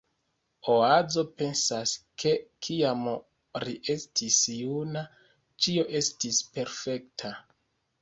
Oazo pensas, ke kiam ri estis juna, ĉio estis perfekta.